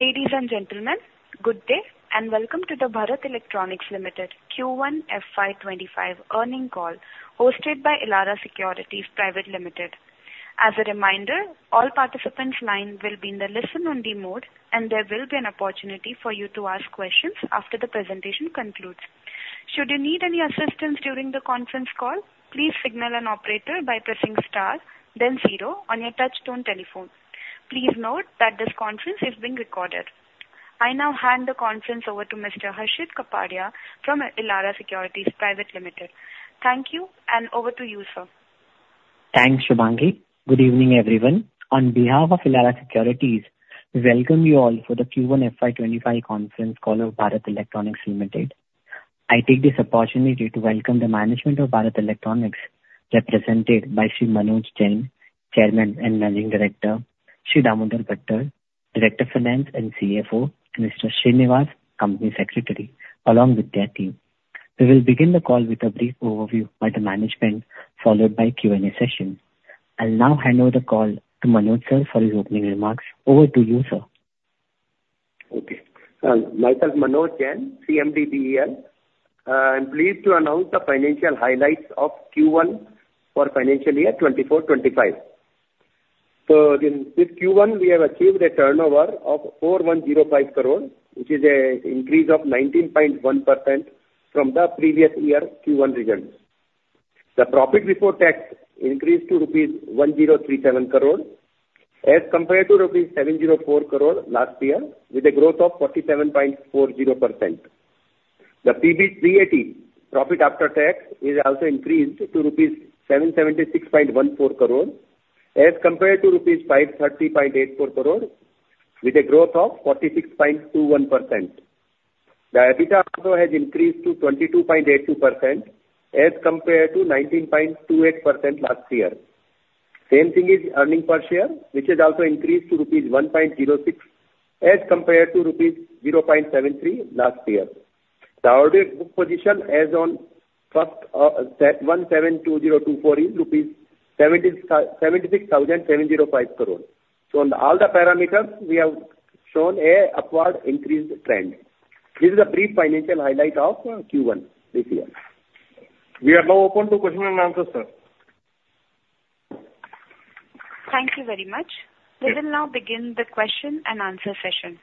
Ladies and gentlemen, good day, and welcome to the Bharat Electronics Limited Q1 FY 2025 earnings call, hosted by Elara Securities Private Limited. As a reminder, all participants' line will be in the listen-only mode, and there will be an opportunity for you to ask questions after the presentation concludes. Should you need any assistance during the conference call, please signal an operator by pressing star then zero on your touchtone telephone. Please note that this conference is being recorded. I now hand the conference over to Mr. Harshit Kapadia from Elara Securities Private Limited. Thank you, and over to you, sir. Thanks, Shubhangi. Good evening, everyone. On behalf of Elara Securities, we welcome you all for the Q1 FY 2025 conference call of Bharat Electronics Limited. I take this opportunity to welcome the management of Bharat Electronics, represented by Shri Manoj Jain, Chairman and Managing Director, Shri Damodar Bhattad, Director of Finance and CFO, and Mr. Srinivas, Company Secretary, along with their team. We will begin the call with a brief overview by the management, followed by Q&A session. I'll now hand over the call to Manoj, sir, for his opening remarks. Over to you, sir. Okay. Myself, Manoj Jain, CMD, BEL. I'm pleased to announce the financial highlights of Q1 for financial year 2024-25. In this Q1, we have achieved a turnover of 4,105 crore, which is an increase of 19.1% from the previous year's Q1 results. The profit before tax increased to rupees 1,037 crore, as compared to rupees 704 crore last year, with a growth of 47.40%. The PBT, profit after tax, is also increased to rupees 776.14 crore, as compared to rupees 530.84 crore, with a growth of 46.21%. The EBITDA also has increased to 22.82%, as compared to 19.28% last year. Same thing is earnings per share, which has also increased to rupees 1.06, as compared to rupees 0.73 last year. The order book position as on 31 July 2024 is INR 76,705 crore. So on all the parameters, we have shown an upward increase trend. This is a brief financial highlight of Q1 this year. We are now open to question and answer, sir. Thank you very much. Yes. We will now begin the question and answer session.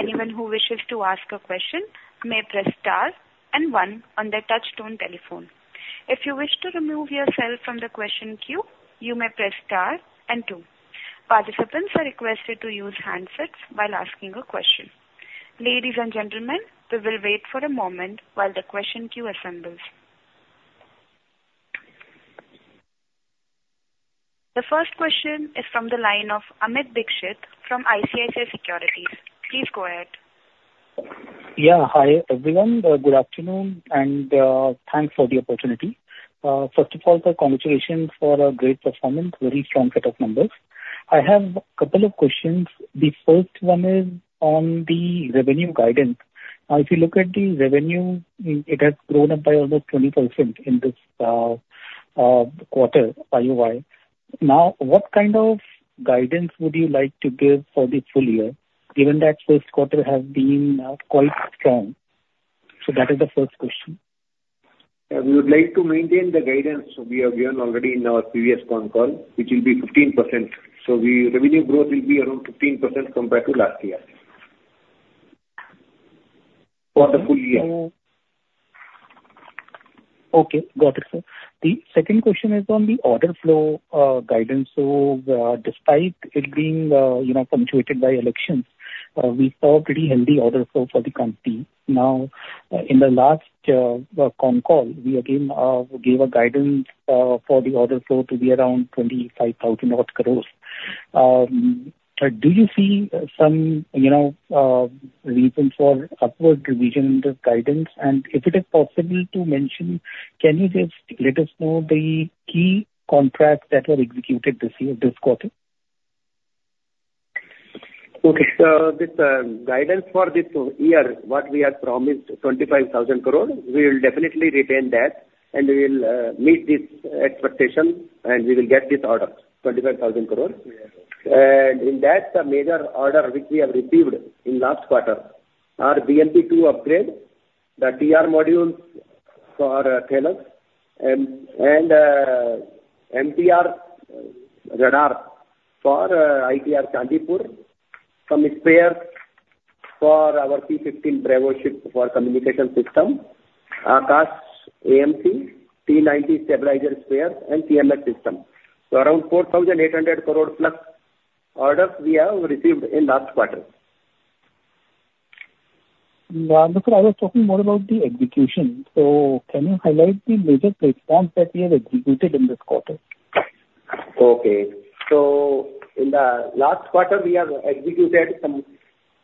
Anyone who wishes to ask a question may press Star and One on their touchtone telephone. If you wish to remove yourself from the question queue, you may press Star and Two. Participants are requested to use handsets while asking a question. Ladies and gentlemen, we will wait for a moment while the question queue assembles. The first question is from the line of Amit Dixit from ICICI Securities. Please go ahead. Yeah. Hi, everyone. Good afternoon, and thanks for the opportunity. First of all, sir, congratulations for a great performance, very strong set of numbers. I have a couple of questions. The first one is on the revenue guidance. If you look at the revenue, it has grown up by almost 20% in this quarter, YoY. Now, what kind of guidance would you like to give for the full year, given that first quarter has been quite strong? So that is the first question. We would like to maintain the guidance we have given already in our previous con call, which will be 15%. So, revenue growth will be around 15% compared to last year. For the full year. Okay, got it, sir. The second question is on the order flow, guidance. So, despite it being, you know, punctuated by elections, we saw pretty healthy order flow for the company. Now, in the last, con call, we again gave a guidance, for the order flow to be around 25,000 crore. Do you see some, you know, reason for upward revision in this guidance? And if it is possible to mention, can you just let us know the key contracts that were executed this year, this quarter? Okay. So this guidance for this year, what we have promised, 25,000 crore, we will definitely retain that, and we will meet this expectation, and we will get this order, 25,000 crore. And in that, the major order which we have received in last quarter are BMP-2 Upgrade, the TR module for Thales, and MPR radar for ITR Chandipur. Some spares for our P-15 Bravo ship for communication system, Akash AMC, T-90 Stabilizer Spares, and TLM System. So around 4,800 crore plus orders we have received in last quarter. Look, I was talking more about the execution. So can you highlight the major platforms that we have executed in this quarter? Okay. So in the last quarter, we have executed some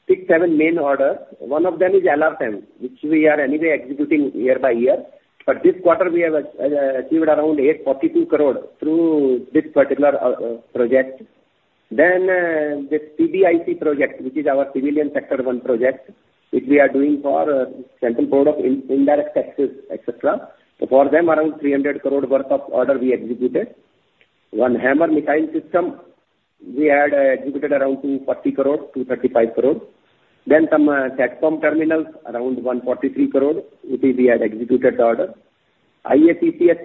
six, seven main orders. One of them is LRSAM, which we are anyway executing year by year, but this quarter we have achieved around 842 crore through this particular project. Then, this CBIC project, which is our civilian sector one project, which we are doing for Central Board of Indirect Taxes, etc. So for them, around 300 crore worth of order we executed. One Hammer missile system, we had executed around 240 crore, 235 crore. Then some Satcom terminals, around 143 crore, which we had executed the order. IACCS,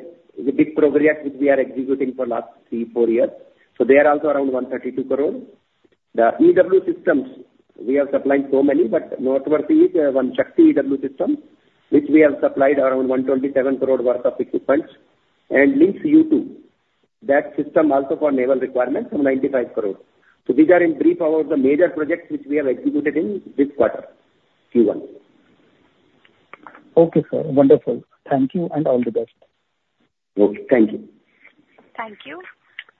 the big project which we are executing for last three, four years, so they are also around 132 crore. The EW systems, we are supplying so many, but noteworthy is one Shakti EW system, which we have supplied around 127 crore worth of equipments. And Lynx U2, that system also for naval requirements, some 95 crore. So these are in brief about the major projects which we have executed in this quarter, Q1. Okay, sir. Wonderful. Thank you, and all the best. Okay. Thank you. Thank you.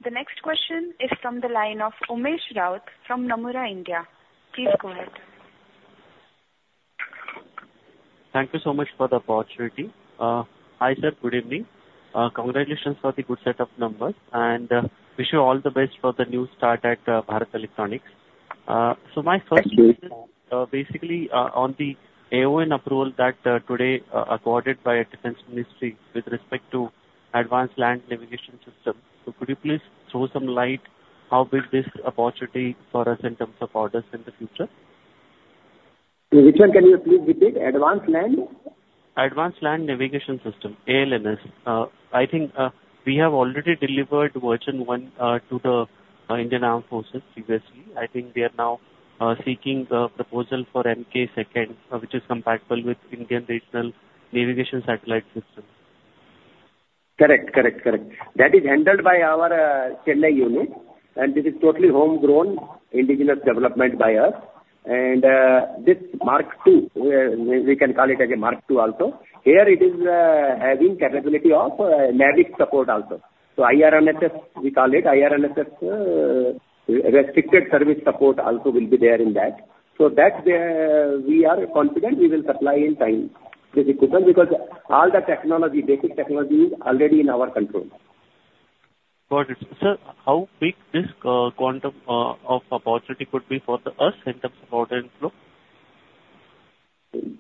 The next question is from the line of Umesh Raut from Nomura India. Please go ahead. Thank you so much for the opportunity. Hi, sir, good evening. Congratulations for the good set of numbers, and wish you all the best for the new start at Bharat Electronics. So my first- Thank you. Basically, on the AON approval that today awarded by Defense Ministry with respect to advanced land navigation system. So could you please throw some light, how big this opportunity for us in terms of orders in the future? Which one can you please repeat? Advanced land? Advanced Land Navigation System, ALNS. I think we have already delivered version 1 to the Indian Armed Forces previously. I think they are now seeking the proposal for Mark II, which is compatible with Indian Regional Navigation Satellite System. Correct, correct, correct. That is handled by our Chennai unit, and this is totally homegrown, indigenous development by us. And this Mark II, we, we can call it as a Mark II also. Here, it is having capability of NavIC support also. So IRNSS, we call it, IRNSS, restricted service support also will be there in that. So that, we are confident we will supply in time this equipment, because all the technology, basic technology, is already in our control. Got it. Sir, how big this quantum of opportunity could be for us in terms of order flow?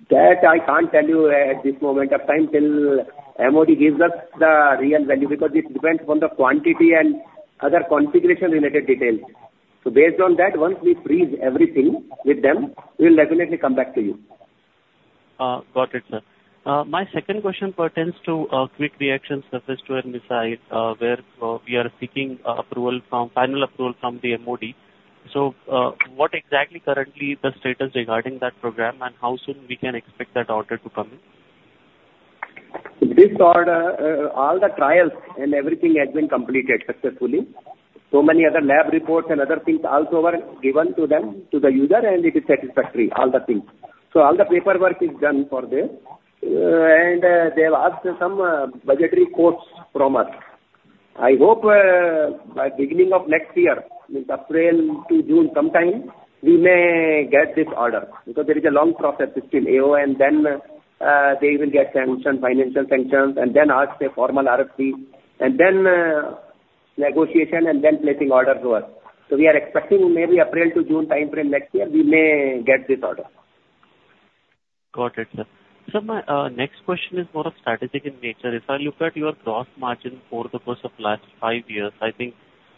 That I can't tell you at this moment of time till MOD gives us the real value, because it depends on the quantity and other configuration-related details. Based on that, once we freeze everything with them, we'll definitely come back to you. Got it, sir. My second question pertains to Quick Reaction Surface-to-Air Missile, where we are seeking approval from, final approval from the MOD. So, what exactly currently is the status regarding that program, and how soon we can expect that order to come in? This order, all the trials and everything has been completed successfully. So many other lab reports and other things also are given to them, to the user, and it is satisfactory, all the things. So all the paperwork is done for this. And, they have asked some budgetary quotes from us. I hope, by beginning of next year, in April to June sometime, we may get this order, because there is a long process with AON, then, they will get sanction, financial sanctions, and then ask a formal RFP, and then, negotiation and then placing order to us. So we are expecting maybe April to June timeframe next year, we may get this order. Got it, sir. Sir, my next question is more of strategic in nature. If I look at your gross margin for the course of last five years, I think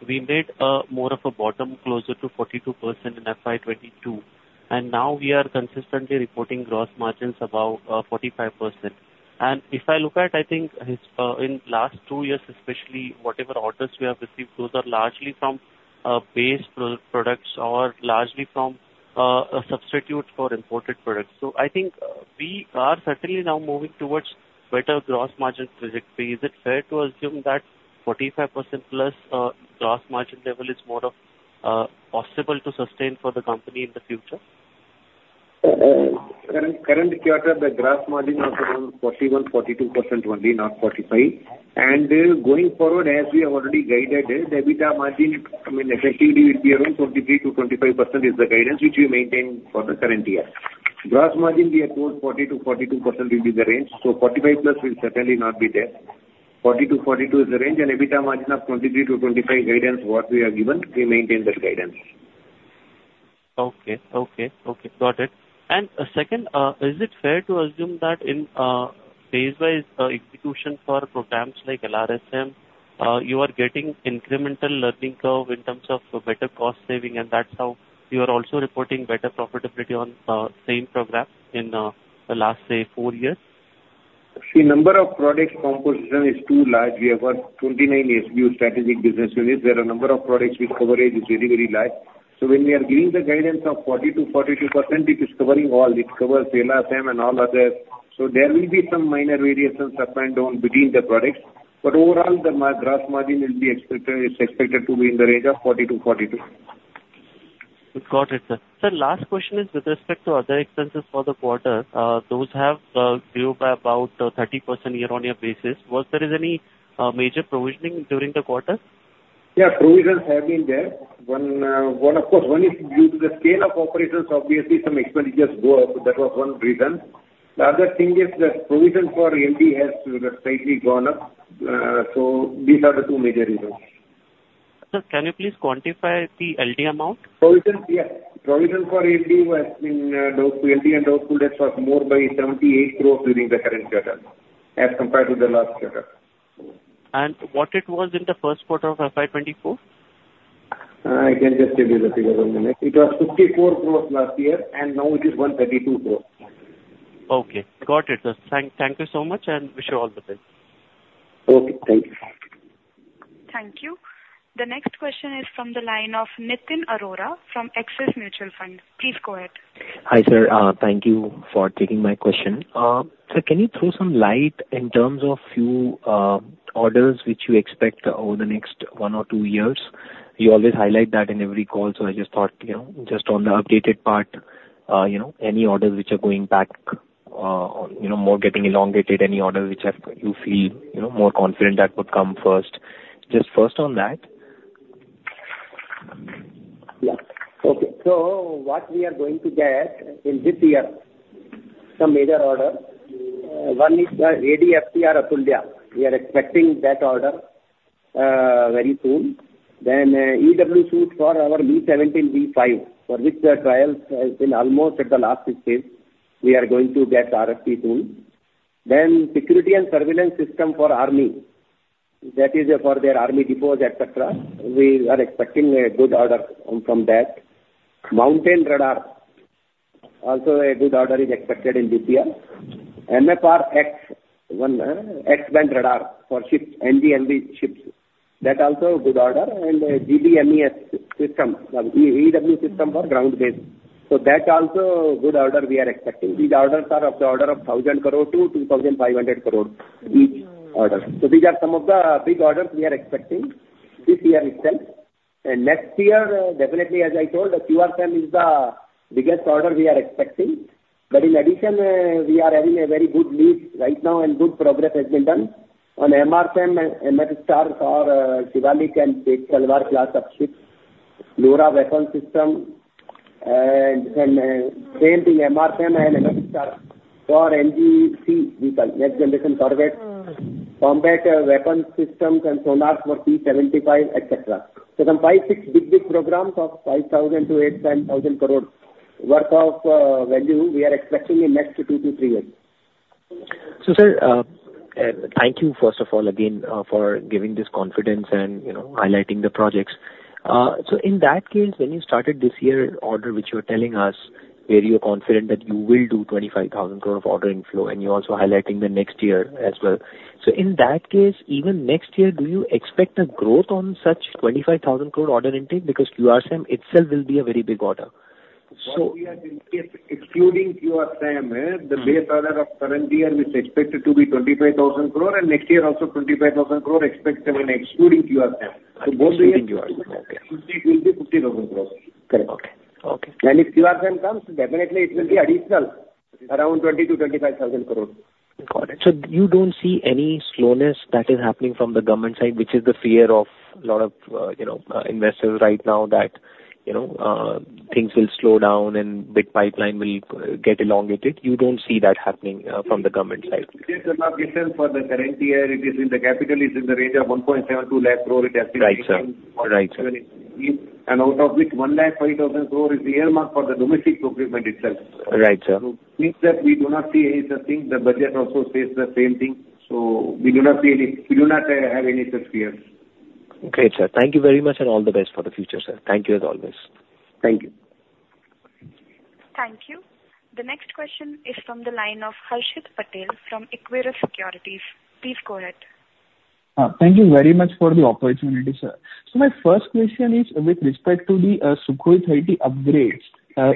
we made more of a bottom closer to 42% in FY 2022, and now we are consistently reporting gross margins above 45%. And if I look at, I think, in last two years, especially whatever orders we have received, those are largely from base products or largely from a substitute for imported products. So I think we are certainly now moving towards better gross margin trajectory. Is it fair to assume that 45%+ gross margin level is more of possible to sustain for the company in the future? Current, current quarter, the gross margin of around 41%-42% only, not 45%. And going forward, as we have already guided, the EBITDA margin, I mean, effectively it will be around 23%-25% is the guidance which we maintain for the current year. Gross margin, we have told 40%-42% will be the range, so 45%+ will certainly not be there. 40%-42% is the range, and EBITDA margin of 23%-25% guidance, what we have given, we maintain that guidance. Okay. Okay, okay. Got it. And, second, is it fair to assume that in, phase-wise, execution for programs like LRSAM, you are getting incremental learning curve in terms of better cost saving, and that's how you are also reporting better profitability on, same program in, the last, say, four years? See, number of product composition is too large. We have got 29 SBU, strategic business units. There are a number of products which coverage is very, very large. So when we are giving the guidance of 40%-42%, it is covering all, it covers LRSAM and all others. So there will be some minor variations up and down between the products, but overall, the gross margin will be expected, is expected to be in the range of 40%-42%. Got it, sir. Sir, last question is with respect to other expenses for the quarter. Those have grew by about 30% year-over-year basis. Was there any major provisioning during the quarter? Yeah, provisions have been there. One, one of course, one is due to the scale of operations, obviously some expenditures go up. That was one reason. The other thing is that provision for MB has slightly gone up. So these are the two major reasons.... Sir, can you please quantify the LD amount? Provision, yes, provision for LD was in, LD and doubtful debts was more by 78 crore during the current quarter, as compared to the last quarter. What it was in the first quarter of FY 2024? I can just give you the figure one minute. It was 54 crore last year, and now it is 132 crore. Okay. Got it, sir. Thank you so much, and wish you all the best. Okay, thank you. Thank you. The next question is from the line of Nitin Arora from Axis Mutual Fund. Please go ahead. Hi, sir. Thank you for taking my question. Sir, can you throw some light in terms of few, orders which you expect over the next one or two years? You always highlight that in every call, so I just thought, you know, just on the updated part, you know, any orders which are going back, you know, more getting elongated, any orders which have, you feel, you know, more confident that would come first. Just first on that. Yeah. Okay. So what we are going to get in this year, some major order, one is the ADFCR Atulya. We are expecting that order, very soon. Then, EW suite for Mi-17 V5, for which the trials is almost at the last stage. We are going to get RFP soon. Then security and surveillance system for army. That is for their army depots, et cetera. We are expecting a good order from that. Mountain radar, also a good order is expected in this year. MFR, one, X-band radar for ships, MDL ships, that also a good order. And, GBMES system, EW system for ground base. So that also good order we are expecting. These orders are of the order of 1,000 crore-2,500 crore each order. So these are some of the big orders we are expecting this year itself. And next year definitely, as I told, the QRSAM is the biggest order we are expecting. But in addition, we are having a very good lead right now and good progress has been done. On MRSAM MF-STAR for Shivalik and Kalvari class of ships, LORA weapon system, and same thing, MRSAM and MF-STAR for NGMV, next generation target, combat weapon systems and sonars for P-75, et cetera. So some 5-6 big, big programs of 5,000 to 8-10,000 crore worth of value we are expecting in next 2-3 years. So, sir, thank you first of all, again, for giving this confidence and, you know, highlighting the projects. So in that case, when you started this year order, which you're telling us, where you're confident that you will do 25,000 crore of order inflow, and you're also highlighting the next year as well. So in that case, even next year, do you expect a growth on such 25,000 crore order intake? Because QRSAM itself will be a very big order. So- Excluding QRSAM, the base order of current year is expected to be 25,000 crore, and next year also 25,000 crore expected when excluding QRSAM. Including QRSAM, okay. It will be 50,000 crore. Correct. Okay. Okay. If QRSAM comes, definitely it will be additional, around 20,000 crore-25,000 crore. Got it. So you don't see any slowness that is happening from the government side, which is the fear of a lot of, you know, you know, things will slow down and big pipeline will get elongated. You don't see that happening, from the government side? For the current year, it is in the capex. It's in the range of 172,000 crore. Right, sir. Right, sir. Out of which, 105,000 crore is earmarked for the domestic procurement itself. Right, sir. Means that we do not see any such thing. The budget also says the same thing, so we do not see any... We do not have any such fears. Great, sir. Thank you very much, and all the best for the future, sir. Thank you, as always. Thank you. Thank you. The next question is from the line of Harshit Patel from Equirus Securities. Please go ahead. Thank you very much for the opportunity, sir. So my first question is with respect to the, Sukhoi 30 upgrades.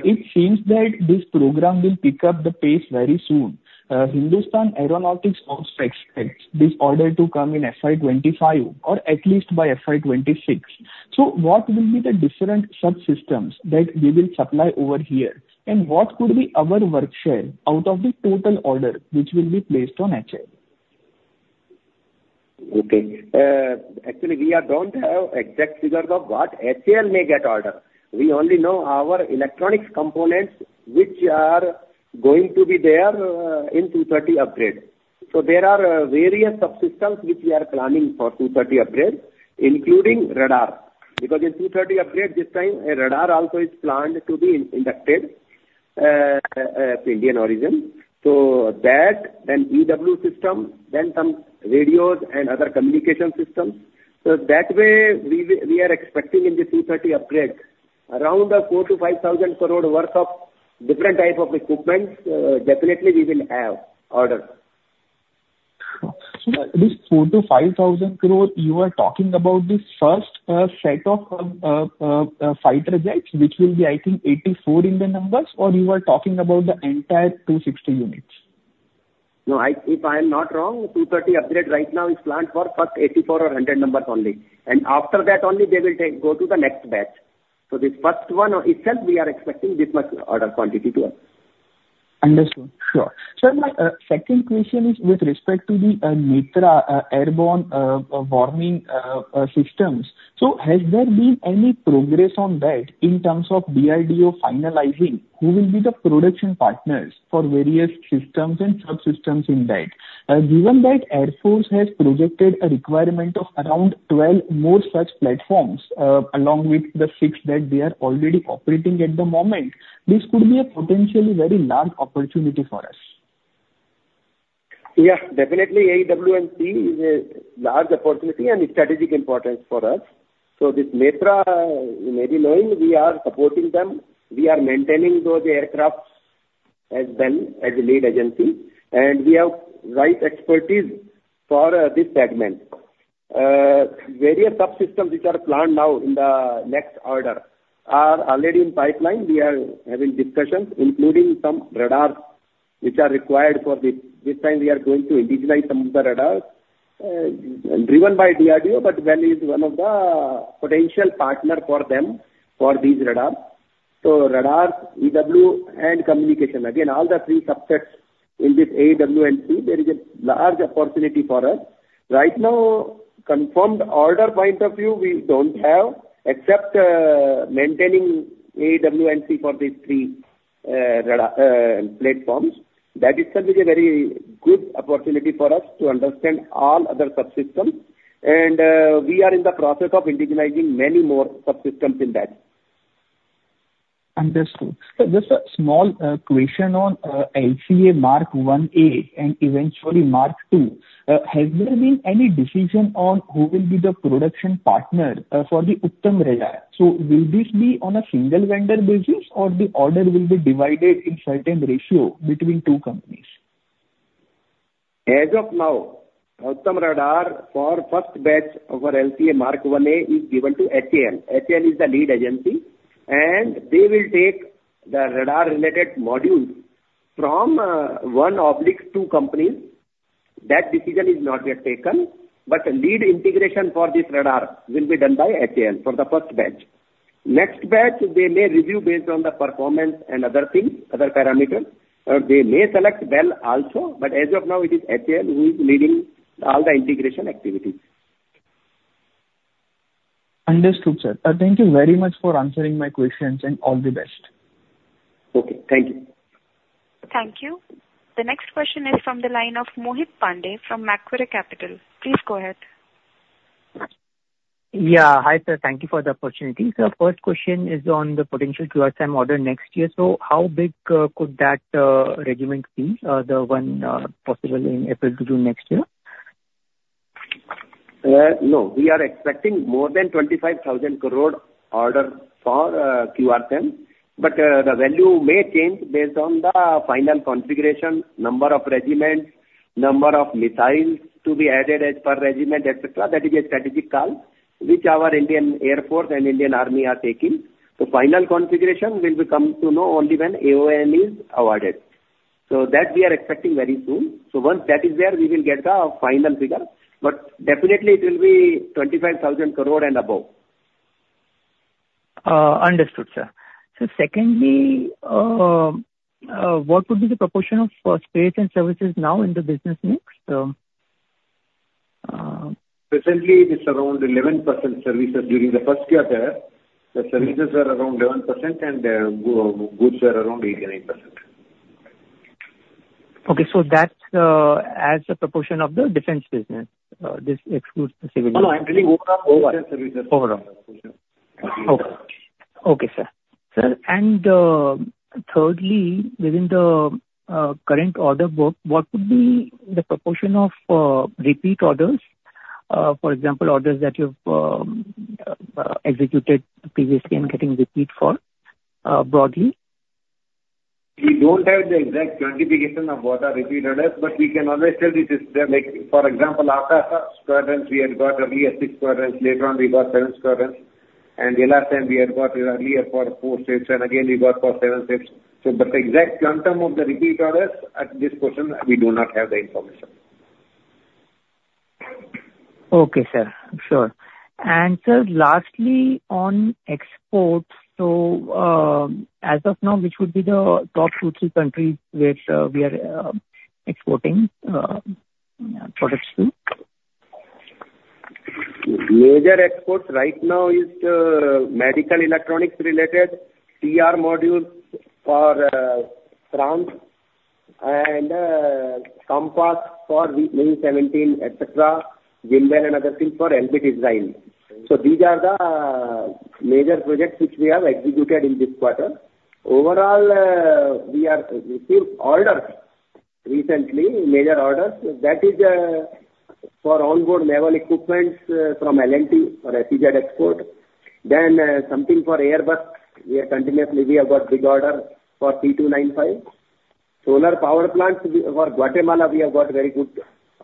It seems that this program will pick up the pace very soon. Hindustan Aeronautics also expects this order to come in FY 2025, or at least by FY 26. So what will be the different subsystems that we will supply over here? And what could be our work share out of the total order, which will be placed on HAL?.Okay. Actually, we don't have exact figures of what HAL may get order. We only know our electronics components which are going to be there in Su-30 upgrade. So there are various subsystems which we are planning for Su-30 upgrade, including radar. Because in Su-30 upgrade, this time a radar also is planned to be inducted Indian origin. So that, then EW system, then some radios and other communication systems. So that way, we are expecting in the Su-30 upgrade, around 4,000-5,000 crore worth of different type of equipments, definitely we will have order. So, this 4,000 crore-5,000 crore, you are talking about the first set of fighter jets, which will be, I think, 84 in the numbers, or you are talking about the entire 260 units? No, if I am not wrong, Su-30 upgrade right now is planned for first 84 or 100 numbers only, and after that only they will go to the next batch. So the first one itself, we are expecting this much order quantity to us. ...Understood. Sure. Sir, my second question is with respect to the Netra airborne warning systems. So has there been any progress on that in terms of DRDO finalizing who will be the production partners for various systems and subsystems in that? Given that Air Force has projected a requirement of around 12 more such platforms along with the six that they are already operating at the moment, this could be a potentially very large opportunity for us. Yeah, definitely AW&C is a large opportunity and a strategic importance for us. So this Netra, you may be knowing, we are supporting them. We are maintaining those aircrafts as well as the lead agency, and we have right expertise for, this segment. Various subsystems which are planned now in the next order are already in pipeline. We are having discussions, including some radars which are required for this. This time we are going to indigenize some of the radars, driven by DRDO, but BEL is one of the potential partner for them, for these radars. So radars, EW, and communication. Again, all the three subsets in this AW&C, there is a large opportunity for us. Right now, confirmed order point of view, we don't have, except, maintaining AW&C for these three, radar platforms. That itself is a very good opportunity for us to understand all other subsystems, and we are in the process of indigenizing many more subsystems in that. Understood. Sir, just a small question on LCA Mark 1A and eventually Mark 2. Has there been any decision on who will be the production partner for the Uttam radar? So will this be on a single vendor basis, or the order will be divided in certain ratio between two companies? As of now, Uttam radar for first batch of our LCA Mark 1A is given to HAL. HAL is the lead agency, and they will take the radar-related module from one or two companies. That decision is not yet taken, but the lead integration for this radar will be done by HAL for the first batch. Next batch, they may review based on the performance and other things, other parameters. They may select BEL also, but as of now it is HAL who is leading all the integration activities. Understood, sir. Thank you very much for answering my questions, and all the best. Okay, thank you. Thank you. The next question is from the line of Mohit Pandey from Macquarie Capital. Please go ahead. Yeah. Hi, sir, thank you for the opportunity. So first question is on the potential QRSAM order next year. So how big could that regiment be, the one possible in April to June next year? No, we are expecting more than 25,000 crore order for QRSAM, but the value may change based on the final configuration, number of regiments, number of missiles to be added as per regiment, et cetera. That is a strategic call, which our Indian Air Force and Indian Army are taking. The final configuration will become known only when AON is awarded. So that we are expecting very soon. So once that is there, we will get the final figure, but definitely it will be 25,000 crore and above. Understood, sir. So secondly, what would be the proportion of space and services now in the business mix? Recently, it's around 11% services. During the first quarter, the services were around 11%, and goods were around 89%. Okay. So that's, as a proportion of the defense business, this excludes the civilian- No, I'm telling overall services. Overall. Okay. Okay, sir. Sir, and thirdly, within the current order book, what would be the proportion of repeat orders? For example, orders that you've executed previously and getting repeat for, broadly? We don't have the exact quantification of what are repeat orders, but we can always tell it is there. Like, for example, after squadrons, we had got earlier six squadrons, later on we got seven squadrons, and the last time we had got earlier for four, six, and again, we got for seven, six. So but the exact term of the repeat orders, at this point in, we do not have the information. Okay, sir. Sure. And sir, lastly, on exports, so, as of now, which would be the top two, three countries which we are exporting products to? Major exports right now is medical electronics related, TR modules for France and compass for Mi-17, etc., gimbal and other things for Elop Design. So these are the major projects which we have executed in this quarter. Overall, we are received orders recently, major orders. That is for onboard naval equipments from L&T for FGZ export. Then something for Airbus. We are continuously, we have got big order for C-295. Solar power plants for Guatemala, we have got very good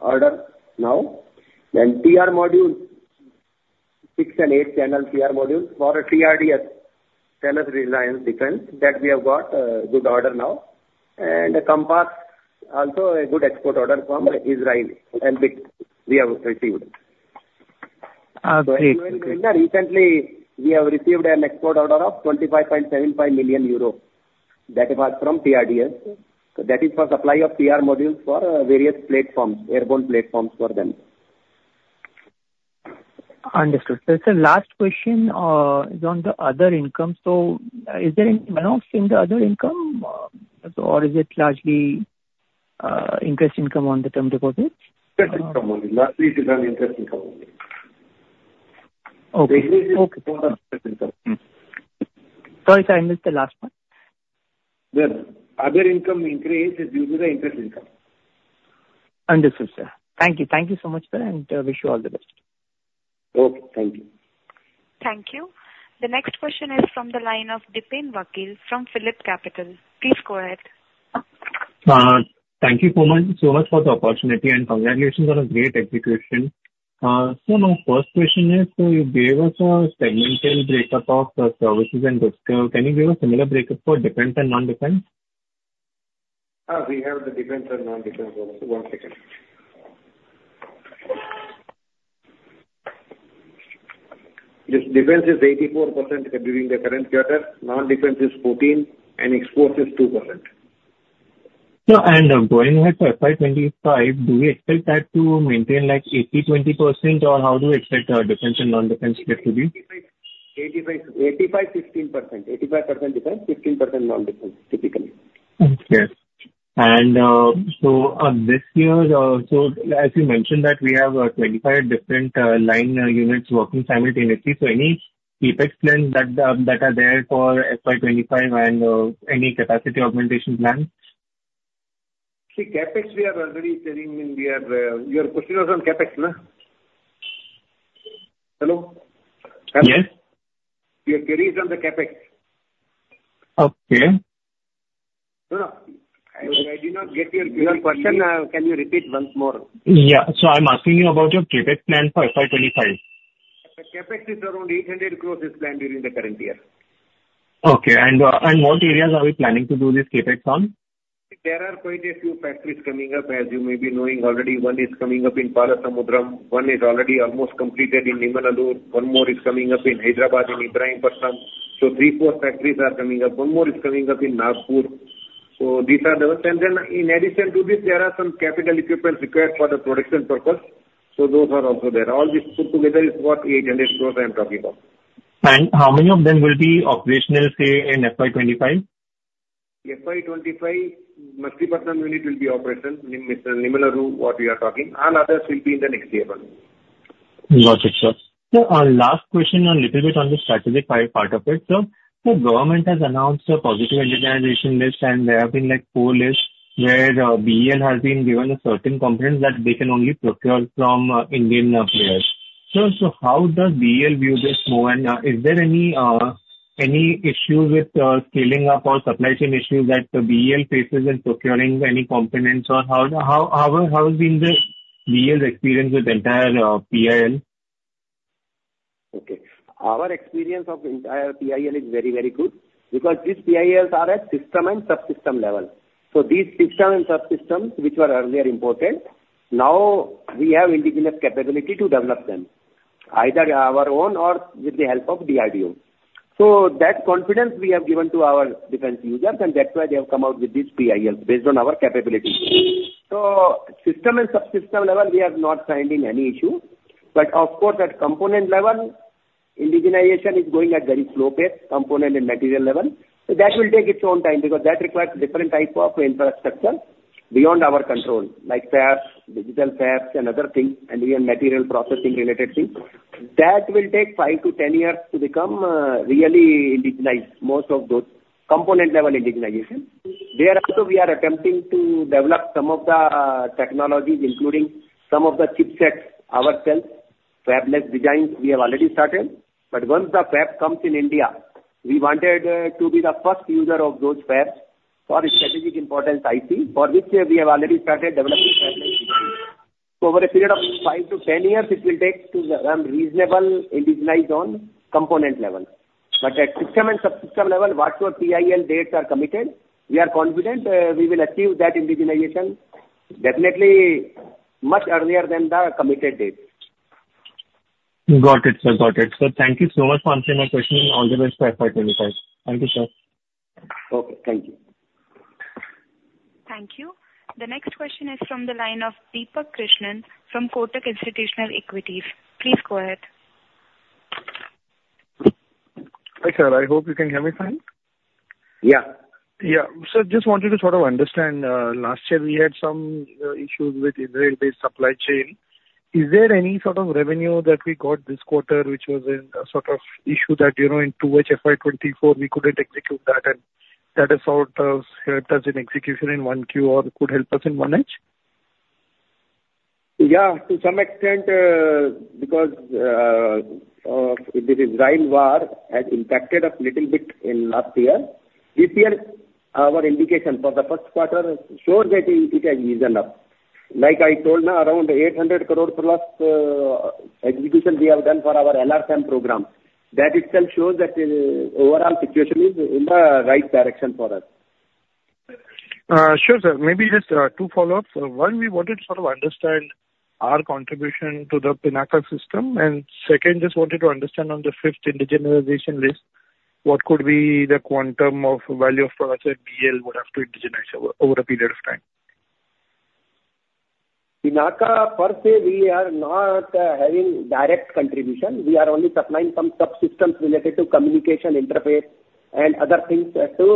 order now. Then TR module, six and eight-channel TR modules for TRDS, Thales Reliance Defence Systems, that we have got a good order now. And compass, also a good export order from Israel, and we, we have received.... Great, great. Recently, we have received an export order of 25.75 million euro. That was from Rafael. That is for supply of TR modules for various platforms, airborne platforms for them. Understood. So sir, last question, is on the other income. So, is there any amount in the other income, or is it largely, interest income on the term deposits? Interest income only. Last week it was interest income only. Okay. Okay. Interest income. Sorry, sorry, I missed the last one. The other income increase is due to the interest income. Understood, sir. Thank you. Thank you so much, sir, and wish you all the best. Okay, thank you. Thank you. The next question is from the line of Dipen Vakil from PhillipCapital. Please go ahead. Thank you so much, so much for the opportunity, and congratulations on a great execution. So my first question is, so you gave us a segmental breakup of the services and. Can you give a similar breakup for defense and non-defense? We have the defense and non-defense. This defense is 84% during the current quarter, non-defense is 14%, and exports is 2%. So, going ahead to FY 2025, do we expect that to maintain like 80-20%, or how do you expect defense and non-defense split to be? 85, 85, 16%. 85% defense, 16% non-defense, typically. Okay. So, this year, so as you mentioned that we have 25 different line units working simultaneously, so any CAPEX plans that are there for FY 2025 and any capacity augmentation plans? The CAPEX we are already telling in we are. Your question was on CAPEX, no? Hello? Yes. Your query is on the CapEx. Okay. No, no. I did not get your question. Can you repeat once more? Yeah. So I'm asking you about your CapEx plan for FY 2025. The CAPEX is around INR 800 crore, is planned during the current year. Okay, and what areas are we planning to do this CAPEX on? There are quite a few factories coming up, as you may be knowing already. One is coming up in Palasamudram, one is already almost completed in Nemaluru, one more is coming up in Hyderabad, in Ibrahimpatnam. So three, four factories are coming up. One more is coming up in Nagpur. So these are the... And then in addition to this, there are some capital equipment required for the production purpose, so those are also there. All these put together is what 800 crore I'm talking about. How many of them will be operational, say, in FY 2025? FY 2025, Ibrahimpatnam unit will be operational in Nemaluru, what we are talking, and others will be in the next year probably. Got it, sir. So our last question, a little bit on the strategic part, part of it, sir. So government has announced a positive indigenization list, and there have been, like, four lists where BEL has been given a certain component that they can only procure from Indian players. So how does BEL view this move, and is there any issue with scaling up or supply chain issues that the BEL faces in procuring any components? Or how has been the BEL's experience with entire PIL? Okay. Our experience of entire PIL is very, very good because these PILs are at system and subsystem level. So these system and subsystems, which were earlier important, now we have indigenous capability to develop them, either our own or with the help of DIU. So that confidence we have given to our defense users, and that's why they have come out with this PIL, based on our capability. So system and subsystem level, we are not finding any issue. But of course, at component level, indigenization is going at very slow pace, component and material level. So that will take its own time because that requires different type of infrastructure beyond our control, like fabs, digital fabs and other things, and even material processing-related things. That will take 5-10 years to become really indigenized, most of those component level indigenization. There also, we are attempting to develop some of the technologies, including some of the chipsets ourselves. Fabless designs we have already started, but once the fab comes in India, we wanted to be the first user of those fabs for strategic important IP, for which we have already started developing fabless designs. So over a period of 5-10 years, it will take to reasonable indigenize on component level. But at system and subsystem level, whatever PIL dates are committed, we are confident we will achieve that indigenization definitely much earlier than the committed date. Got it, sir. Got it. Thank you so much for answering my question, and all the best for FY 2025. Thank you, sir. Okay, thank you. Thank you. The next question is from the line of Deepak Krishnan from Kotak Institutional Equities. Please go ahead. Hi, sir, I hope you can hear me fine. Yeah. Yeah. Sir, just wanted to sort of understand, last year we had some issues with Israel-based supply chain. Is there any sort of revenue that we got this quarter, which was in a sort of issue that, you know, into which FY 2024 we couldn't execute that, and that is sort of hurt us in execution in Q1 or could help us in 1H? Yeah, to some extent, because the Israel war has impacted us little bit in last year. This year, our indication for the first quarter shows that it has eased up. Like I told now, around 800 crore plus execution we have done for our LRSAM program. That itself shows that overall situation is in the right direction for us.... Sure, sir. Maybe just two follow-ups. One, we wanted to sort of understand our contribution to the Pinaka system. Second, just wanted to understand on the fifth indigenization list, what could be the quantum of value would have to indigenize over a period of time? Pinaka, per se, we are not having direct contribution. We are only supplying some subsystems related to communication, interface, and other things to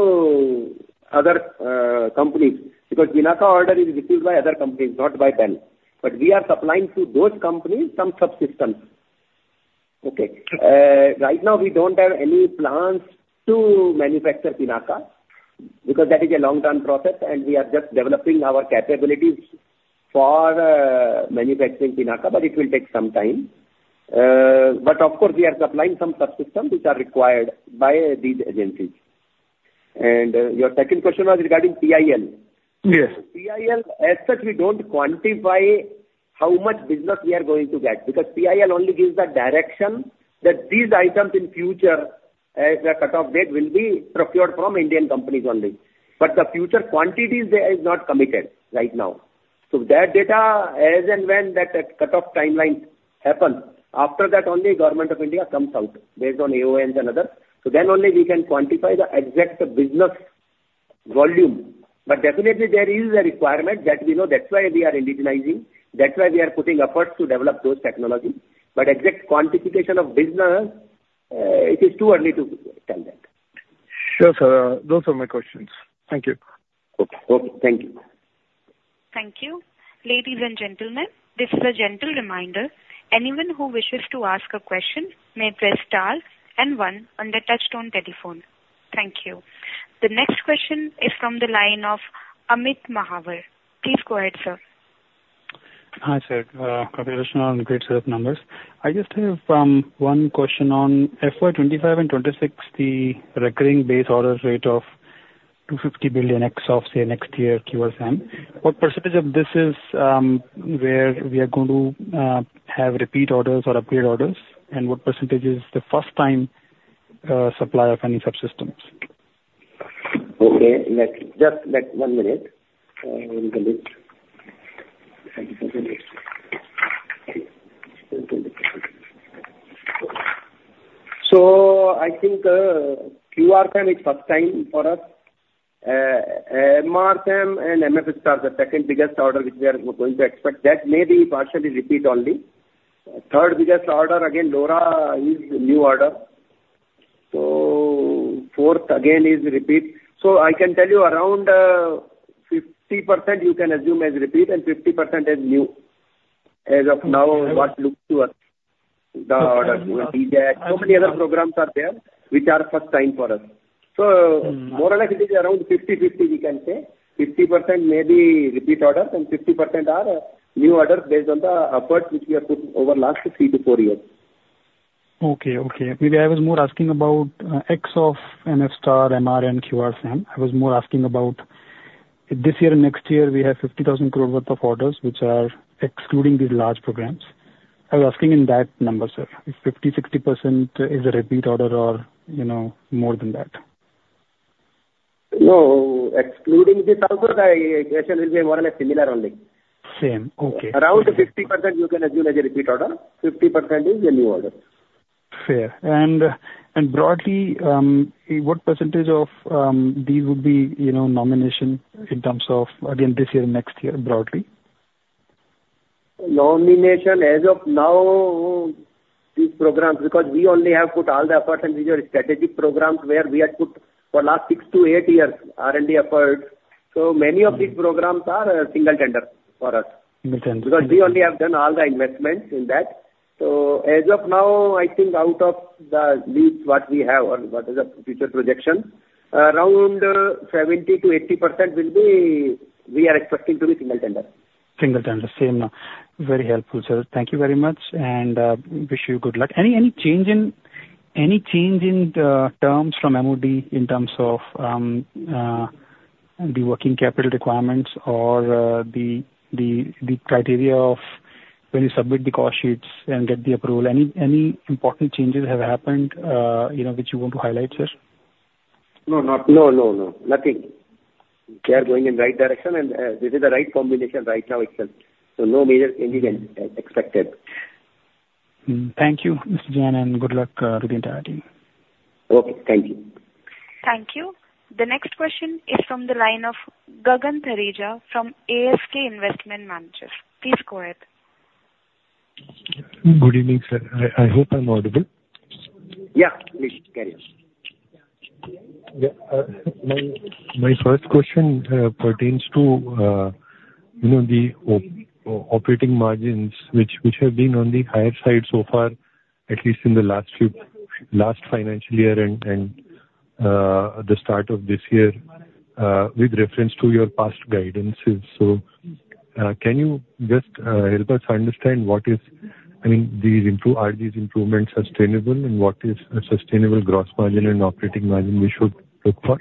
other companies. Because Pinaka order is received by other companies, not by BEL. But we are supplying to those companies some subsystems. Okay. Right now, we don't have any plans to manufacture Pinaka, because that is a long-term process, and we are just developing our capabilities for manufacturing Pinaka, but it will take some time. But of course, we are supplying some subsystems which are required by these agencies. And your second question was regarding PIL? Yes. PIL, as such, we don't quantify how much business we are going to get, because PIL only gives the direction that these items in future, as a cutoff date, will be procured from Indian companies only. But the future quantities there is not committed right now. So that data, as and when that cutoff timeline happen, after that only Government of India comes out, based on AONs and other. So then only we can quantify the exact business volume. But definitely there is a requirement that we know. That's why we are indigenizing, that's why we are putting efforts to develop those technology. But exact quantification of business, it is too early to tell that. Sure, sir. Those are my questions. Thank you. Okay. Okay, thank you. Thank you. Ladies and gentlemen, this is a gentle reminder. Anyone who wishes to ask a question may press star and one on their touchtone telephone. Thank you. The next question is from the line of Amit Mahawar. Please go ahead, sir. Hi, sir. Congratulations on the great set of numbers. I just have one question on FY 2025 and 2026, the recurring base orders rate of 250 billion X of, say, next year QRSAM. What percentage of this is, where we are going to have repeat orders or upgrade orders, and what percentage is the first time supplier funding subsystems? Okay, just let one minute. In the list. So I think, QRSAM is first time for us. LRSAM and MFSTAR are the second biggest order which we are going to expect. That may be partially repeat only. Third biggest order, again, LORA is new order. So fourth, again, is repeat. So I can tell you around, 50% you can assume as repeat and 50% as new, as of now, what looks to us, the orders. So many other programs are there which are first time for us. So- Mm-hmm. More or less, it is around 50/50, we can say. 50% may be repeat orders and 50% are new orders based on the efforts which we have put over last three to four years. Okay. Okay. Maybe I was more asking about X of MFSTAR, MRM, QRSAM. I was more asking about this year and next year, we have 50,000 crore worth of orders, which are excluding these large programs. I was asking in that number, sir, if 50%-60% is a repeat order or, you know, more than that. No, excluding this output, the question will be more or less similar only. Same. Okay. Around 50% you can assume as a repeat order. 50% is a new order. Fair. And, and broadly, what percentage of these would be, you know, nomination in terms of again, this year, next year, broadly? Nomination, as of now, these programs, because we only have put all the efforts in these are strategic programs where we have put for last six to eight years R&D efforts, so many of these programs are single tender for us. Understand. Because we only have done all the investments in that. So as of now, I think out of the leads what we have or what is the future projection, around 70%-80% will be, we are expecting to be single tender. Single tender, same. Very helpful, sir. Thank you very much, and wish you good luck. Any change in the terms from MoD in terms of the working capital requirements or the criteria of when you submit the cost sheets and get the approval? Any important changes have happened, you know, which you want to highlight, sir? No, not. No, no, no. Nothing. We are going in right direction, and this is the right combination right now itself, so no major change is expected. Hmm. Thank you, Mr. Jain, and good luck to the entire team. Okay, thank you. Thank you. The next question is from the line of Gagan Thareja from ASK Investment Managers. Please go ahead. Good evening, sir. I hope I'm audible? Yeah, please carry on. Yeah, my first question pertains to, you know, the operating margins, which have been on the higher side so far, at least in the last few financial years and the start of this year, with reference to your past guidances. So, can you just help us understand what is... I mean, these improvements—are these improvements sustainable, and what is a sustainable gross margin and operating margin we should look for?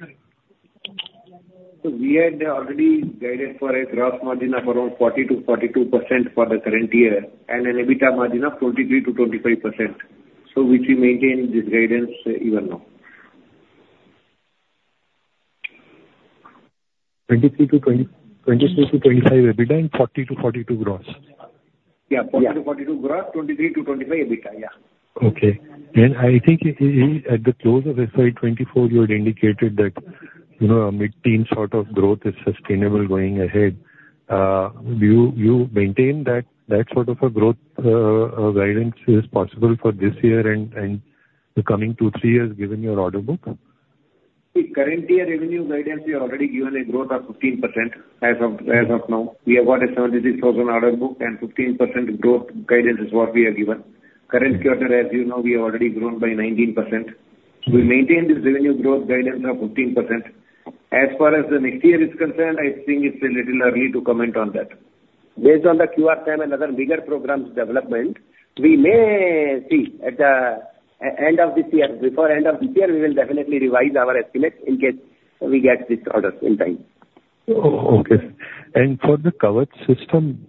So we had already guided for a gross margin of around 40%-42% for the current year, and an EBITDA margin of 23%-25%. So we maintain this guidance even now. 23%-25% EBITDA and 40%-42% gross? Yeah, 40%-42% gross, 23%-25% EBITDA. Yeah. Okay. I think it, at the close of FY 2024, you had indicated that, you know, a mid-teen sort of growth is sustainable going ahead. Do you maintain that sort of a growth guidance is possible for this year and the coming two to three years, given your order book? The current year revenue guidance, we already given a growth of 15% as of, as of now. We have got a 73,000 crore order book and 15% growth guidance is what we have given. Current quarter, as you know, we have already grown by 19%. We maintain this revenue growth guidance of 15%. As far as the next year is concerned, I think it's a little early to comment on that. Based on the QR ten and other bigger programs development, we may see at the end of this year. Before end of this year, we will definitely revise our estimate in case we get these orders in time. Okay. And for the Kavach system,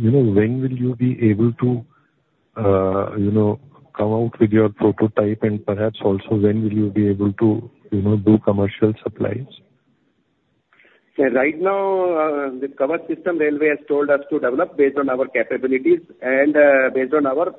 you know, when will you be able to, you know, come out with your prototype, and perhaps also when will you be able to, you know, do commercial supplies? So right now, the Kavach system, railway has told us to develop based on our capabilities and, based on our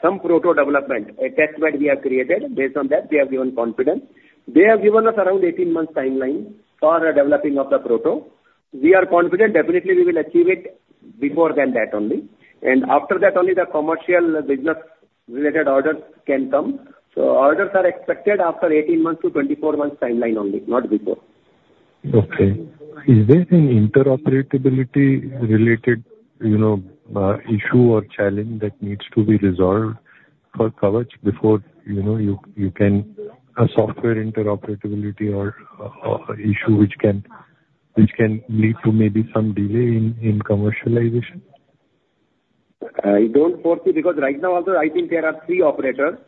some proto development, a testbed we have created. Based on that, they have given confidence. They have given us around 18 months timeline for developing of the proto. We are confident definitely we will achieve it before than that only, and after that only the commercial business related orders can come. So orders are expected after 18-24 months timeline only, not before. Okay. Is there an interoperability related, you know, issue or challenge that needs to be resolved for Kavach before, you know, you can... A software interoperability or issue which can lead to maybe some delay in commercialization? I don't foresee, because right now also, I think there are three operators,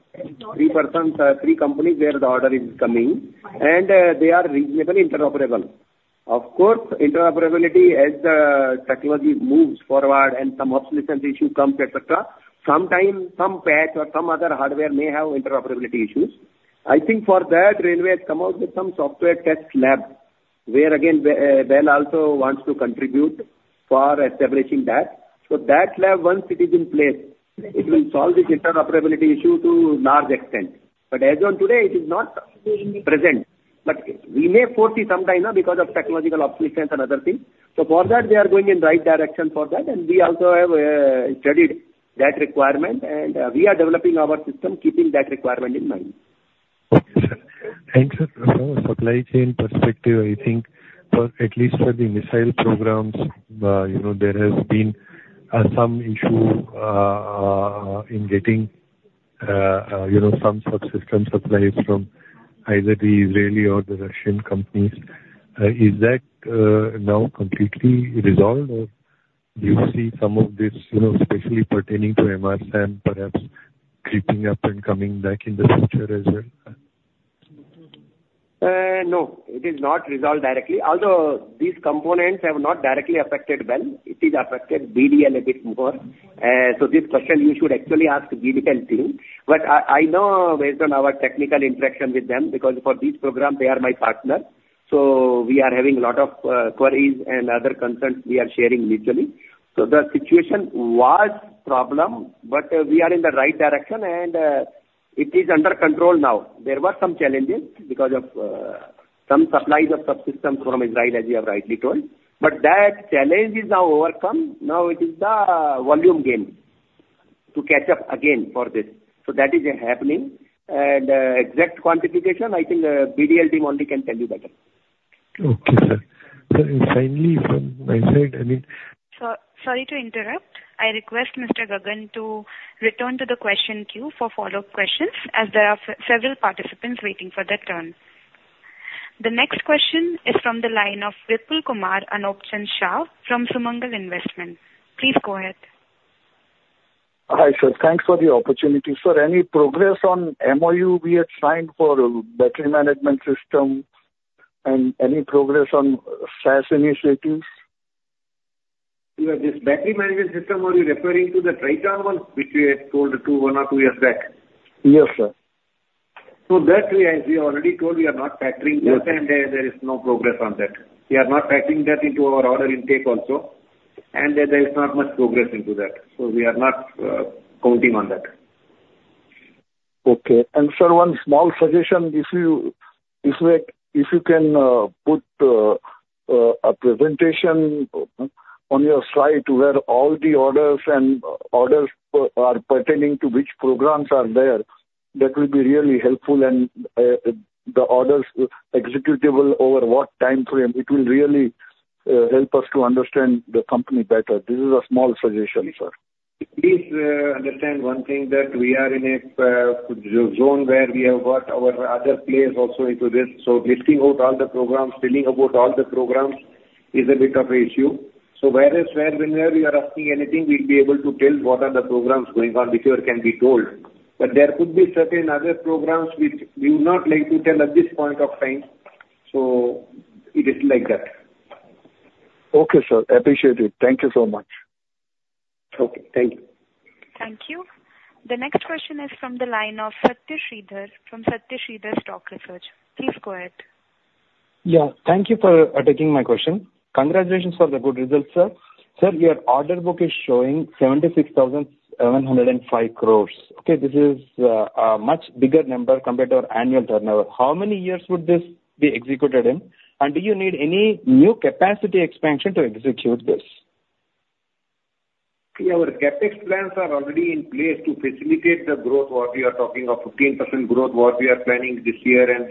three persons, three companies where the order is coming, and they are reasonably interoperable. Of course, interoperability, as the technology moves forward and some obsolescence issue comes, et cetera, sometime some patch or some other hardware may have interoperability issues. I think for that, railway has come out with some software test lab, where again, BEL also wants to contribute for establishing that. So that lab, once it is in place, it will solve the interoperability issue to large extent. But as on today, it is not present. But we may foresee sometime, because of technological obsolescence and other things. So for that, we are going in right direction for that, and we also have studied that requirement, and we are developing our system, keeping that requirement in mind. Okay, sir. And sir, from a supply chain perspective, I think for at least for the missile programs, you know, there has been some issue in getting, you know, some subsystem supplies from either the Israeli or the Russian companies. Is that now completely resolved, or do you see some of this, you know, especially pertaining to MRSAM, perhaps creeping up and coming back in the future as well? No, it is not resolved directly. Although these components have not directly affected BEL, it is affected BDL a bit more. So this question you should actually ask BDL team. But I know based on our technical interaction with them, because for this program they are my partner, so we are having a lot of queries and other concerns we are sharing mutually. So the situation was problem, but we are in the right direction, and it is under control now. There were some challenges because of some supplies of subsystems from Israel, as you have rightly told, but that challenge is now overcome. Now it is the volume game to catch up again for this. So that is happening. And exact quantification, I think, BDL team only can tell you better. Okay, sir. Sir, finally from my side, I mean- Sorry to interrupt. I request Mr. Gagan to return to the question queue for follow-up questions, as there are several participants waiting for their turn. The next question is from the line of Vipul Kumar and Anup Chand Shaw from Sumangal Investment. Please go ahead. Hi, sir. Thanks for the opportunity. Sir, any progress on MoU we had signed for battery management system and any progress on Space initiatives? Yeah, this battery management system, are you referring to the Triton one, which we had told two, one or two years back? Yes, sir. So that we, as we already told, we are not factoring that- Yes. there is no progress on that. We are not factoring that into our order intake also, and there, there is not much progress into that, so we are not counting on that. Okay. And sir, one small suggestion. If you can put a presentation on your site where all the orders pertaining to which programs are there, that will be really helpful and the orders executable over what time frame, it will really help us to understand the company better. This is a small suggestion, sir. Please understand one thing, that we are in a zone where we have got our other players also into this, so listing out all the programs, telling about all the programs is a bit of an issue. So whereas, wherever you are asking anything, we'll be able to tell what are the programs going on, which here can be told. But there could be certain other programs which we would not like to tell at this point of time, so it is like that. Okay, sir, appreciate it. Thank you so much. Okay, thank you. Thank you. The next question is from the line of Satya Sridhar, from Satya Sridhar Stock Research. Please go ahead. Yeah, thank you for taking my question. Congratulations for the good results, sir. Sir, your order book is showing 76,705 crore. Okay, this is a much bigger number compared to our annual turnover. How many years would this be executed in? And do you need any new capacity expansion to execute this? Yeah, our CapEx plans are already in place to facilitate the growth, what we are talking of 15% growth, what we are planning this year, and,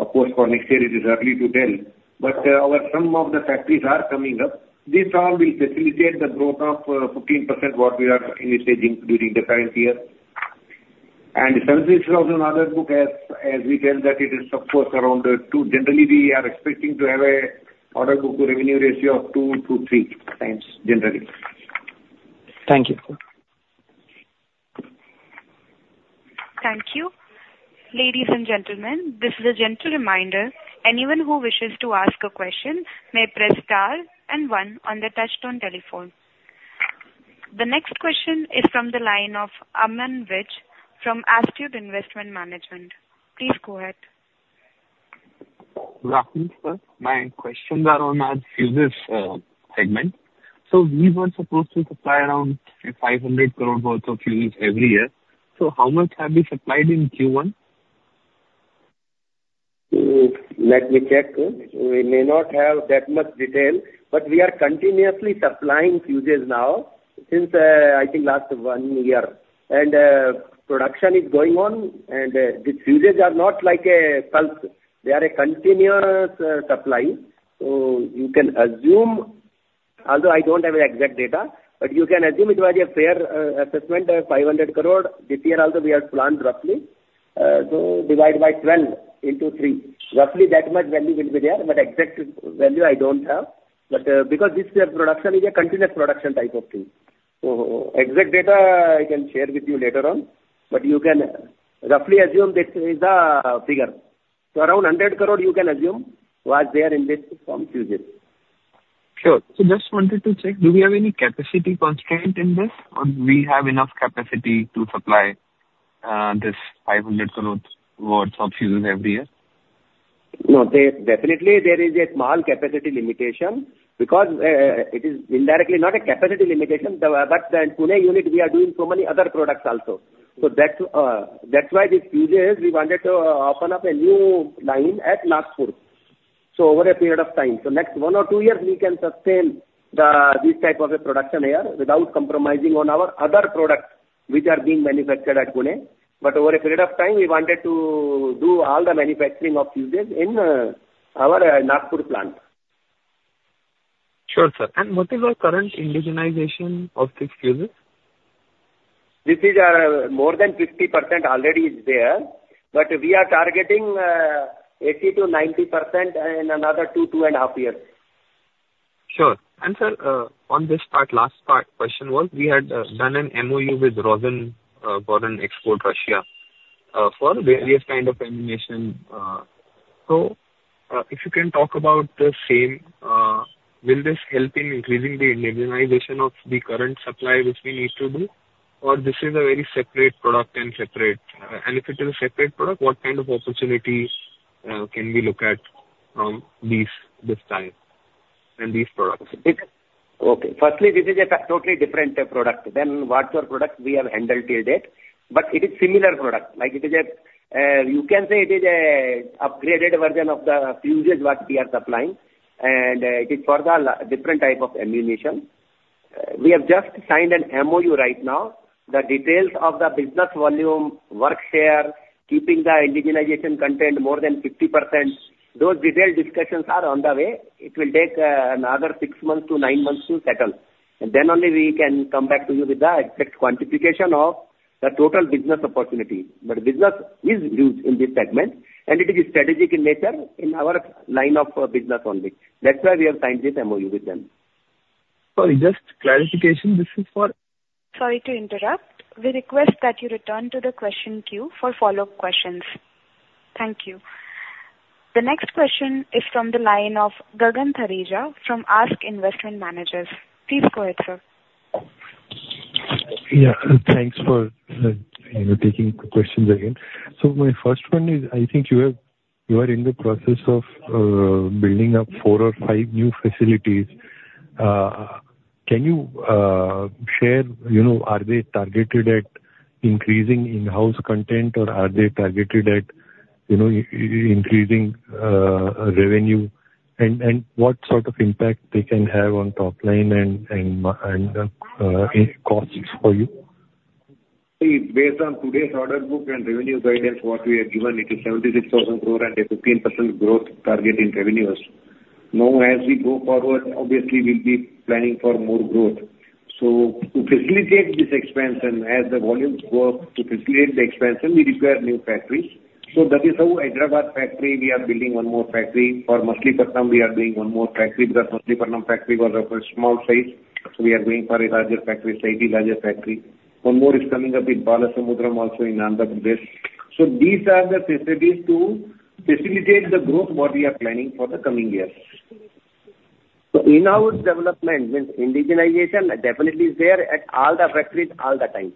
of course, for next year, it is early to tell. But, our some of the factories are coming up. This all will facilitate the growth of, 15% what we are initiating during the current year. And services of an order book as, as we tell that it is of course, around two. Generally, we are expecting to have a order book to revenue ratio of two to three times, generally. Thank you. Thank you. Ladies and gentlemen, this is a gentle reminder, anyone who wishes to ask a question may press star and one on their touchtone telephone. The next question is from the line of Aman Vij from Astute Investment Management. Please go ahead. Good afternoon, sir. My questions are on our fuses, segment. So we were supposed to supply around 500 crore worth of fuses every year. So how much have we supplied in Q1? Let me check. We may not have that much detail, but we are continuously supplying fuses now since, I think last 1 year. And, production is going on, and, the fuses are not like a pulse. They are a continuous supply. So you can assume, although I don't have the exact data, but you can assume it was a fair, assessment, 500 crore. This year also we have planned roughly, so divide by 12 into 3. Roughly that much value will be there, but exact value I don't have. But, because this year production is a continuous production type of thing, so exact data I can share with you later on, but you can roughly assume this is the figure. So around 100 crore you can assume was there in this from fuses. Sure. So just wanted to check, do we have any capacity constraint in this, or we have enough capacity to supply this 500 crore worth of fuses every year? No, there definitely is a small capacity limitation because it is indirectly not a capacity limitation, but the Pune unit, we are doing so many other products also. So that's why this fuses we wanted to open up a new line at Nagpur. So over a period of time, next one or two years, we can sustain this type of a production here without compromising on our other products which are being manufactured at Pune. But over a period of time, we wanted to do all the manufacturing of fuses in our Nagpur plant. Sure, sir. What is our current indigenization of these fuses? This is more than 50% already is there, but we are targeting 80%-90% in another two, two and a half years. Sure. And sir, on this part, last part, question was, we had done an MOU with Rostec for various kind of ammunition. So, if you can talk about the same, will this help in increasing the indigenization of the current supply which we need to do? Or this is a very separate product and separate... And if it is a separate product, what kind of opportunities can we look at from these this time and these products? Okay. Firstly, this is a totally different product than what your products we have handled till date, but it is similar product. Like, it is a you can say it is a upgraded version of the fuses what we are supplying, and it is for the different type of ammunition. We have just signed an MOU right now. The details of the business volume, work share, keeping the indigenization content more than 50%, those detailed discussions are on the way. It will take another six months to nine months to settle, and then only we can come back to you with the exact quantification of the total business opportunity. But business is huge in this segment, and it is strategic in nature in our line of business only. That's why we have signed this MOU with them. Sorry, just clarification, this is for- Sorry to interrupt. We request that you return to the question queue for follow-up questions. Thank you. The next question is from the line of Gagan Thareja from ASK Investment Managers. Please go ahead, sir. Yeah, thanks for, you know, taking questions again. So my first one is, I think you are, you are in the process of building up four or five new facilities. Can you share, you know, are they targeted at increasing in-house content, or are they targeted at, you know, increasing revenue? And what sort of impact they can have on top line and costs for you? See, based on today's order book and revenue guidance, what we have given, it is 76,000 crore and a 15% growth target in revenues. Now, as we go forward, obviously, we'll be planning for more growth. So to facilitate this expansion, as the volumes go up, to facilitate the expansion, we require new factories. So that is how Hyderabad factory, we are building one more factory. For Machilipatnam, we are doing one more factory, because Machilipatnam factory was a very small size, so we are going for a larger factory, slightly larger factory. One more is coming up in Palasamudram, also in Andhra Pradesh.... So these are the facilities to facilitate the growth what we are planning for the coming years. So in-house development, means indigenization, definitely is there at all the factories all the time.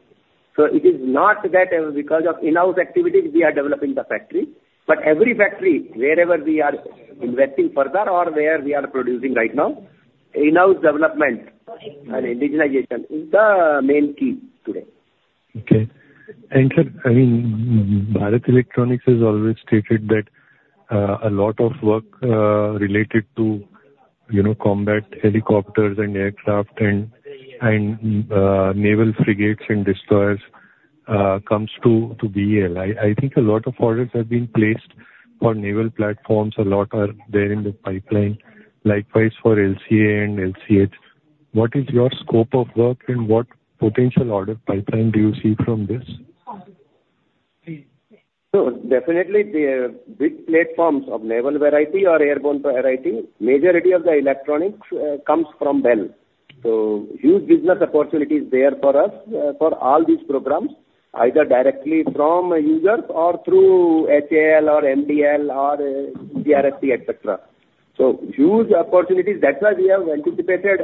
So it is not that, because of in-house activities, we are developing the factory, but every factory, wherever we are investing further or where we are producing right now, in-house development and indigenization is the main key today. Okay. And sir, I mean, Bharat Electronics has always stated that, a lot of work related to, you know, combat helicopters and aircraft and naval frigates and destroyers, comes to BEL. I think a lot of orders have been placed for naval platforms, a lot are there in the pipeline, likewise for LCA and LCH. What is your scope of work and what potential order pipeline do you see from this? So definitely, the big platforms of naval variety or airborne variety, majority of the electronics comes from BEL. So huge business opportunity is there for us for all these programs, either directly from users or through HAL or MDL or DRDO, etc. So huge opportunities, that's why we have anticipated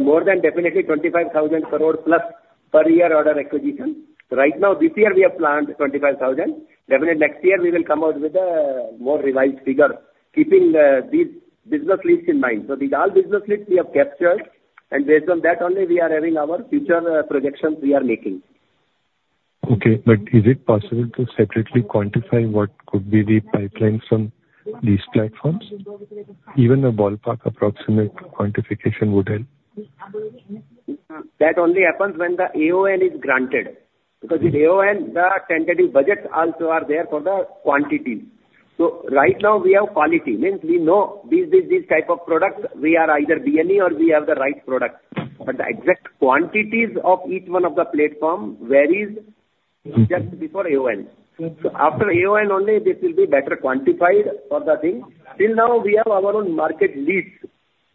more than definitely 25,000 crore+ per year order acquisition. Right now, this year we have planned 25,000 crore. Definitely next year we will come out with a more revised figure, keeping these business leads in mind. So these all business leads we have captured, and based on that only we are having our future projections we are making. Okay, but is it possible to separately quantify what could be the pipelines from these platforms? Even a ballpark approximate quantification would help. That only happens when the AON is granted, because in AON, the tentative budgets also are there for the quantity. So right now we have clarity, means we know these, these, these type of products, we are either BEL or we have the right product. But the exact quantities of each one of the platform varies- Mm-hmm. just before AON. Okay. After AON only, this will be better quantified for the thing. Till now, we have our own market leads.